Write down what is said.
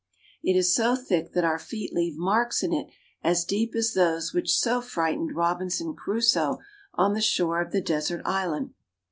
It is so thick that our feet leave marks in it as deep as those which so frightened Robinson Crusoe on the shore of the desert island.